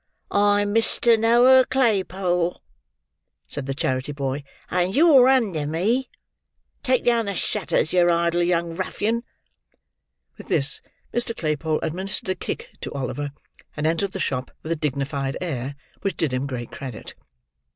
"I'm Mister Noah Claypole," said the charity boy, "and you're under me. Take down the shutters, yer idle young ruffian!" With this, Mr. Claypole administered a kick to Oliver, and entered the shop with a dignified air, which did him great credit.